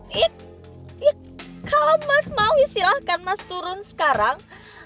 ya kalau mas mau ya silahkan mas turun sekarang